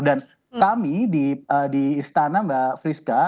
dan kami di istana mbak friska